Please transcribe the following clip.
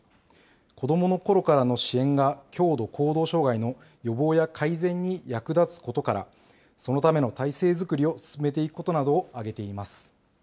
子どものころからの支援が、強度行動障害の予防や改善に役立つことから、そのための体制作りを進めていくことなどを挙げています。